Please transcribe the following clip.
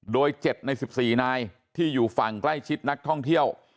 โดย๗ใน๑๔นายที่อยู่ฝั่งใกล้ชิดนักท่องเที่ยว